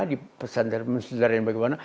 di pesantren pesantren bagaimana